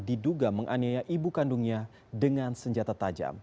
diduga menganiaya ibu kandungnya dengan senjata tajam